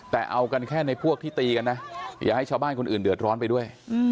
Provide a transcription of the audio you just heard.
แต่เอากันแค่ในพวกที่ตีกันนะอย่าให้ชาวบ้านคนอื่นเดือดร้อนไปด้วย